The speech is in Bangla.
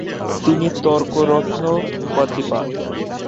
তিনি ‘তর্করত্ন’ উপাধি পান।